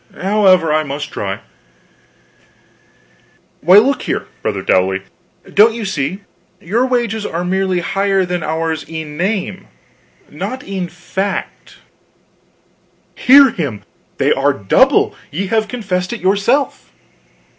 However, I must try: "Why, look here, brother Dowley, don't you see? Your wages are merely higher than ours in name, not in fact." "Hear him! They are the double ye have confessed it yourself."